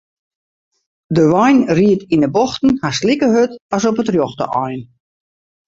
De wein ried yn 'e bochten hast like hurd as op it rjochte ein.